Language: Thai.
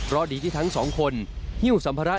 ให้ทั้งสองคนนิ่วสัมพาระ